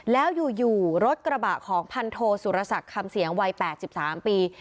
แล้วอยู่อยู่รถกระบะของพันโทสุรสักคำเสียงวัยแปดสิบสามปี